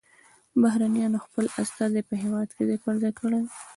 بهرنیانو خپل استازي په هیواد کې ځای پر ځای کړي